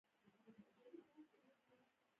هېواد ته باید درناوی وکړو